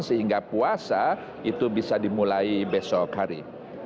sehingga puasa itu bisa dimulai besok hari